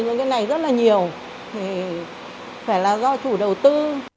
những cái này rất là nhiều thì phải là do chủ đầu tư